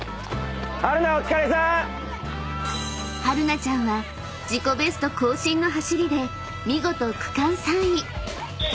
［はるなちゃんは自己ベスト更新の走りで見事区間３位］